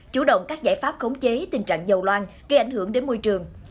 chủ động các giải pháp khống chế tình trạng dầu loan gây ảnh hưởng đến môi trường